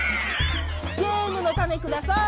ゲームのタネください！